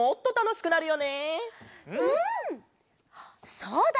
そうだ！